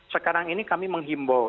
sekarang ini kami menghimbau